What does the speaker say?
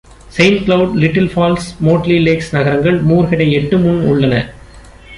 Saint Cloud, Little Falls, Motley Lakes நகரங்கள் மூர்ஹெட்டை எட்டும் முன் உள்ளன.